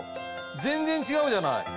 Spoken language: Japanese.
全然違うじゃない。